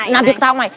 làm việc tao không mày